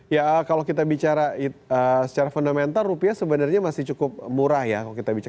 ya kalau kita bicara secara fundamental rupiah sebenarnya masih cukup murah ya